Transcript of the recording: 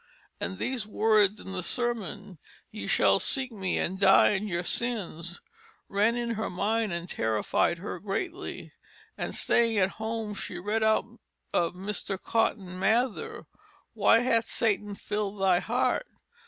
And these words in the Sermon, Ye shall seek me and die in your Sins, ran in her Mind and terrified her greatly. And staying at home, she read out of Mr. Cotton Mather Why hath Satan filled thy Heart?